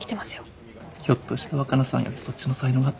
ひょっとして若菜さんよりそっちの才能があったりして。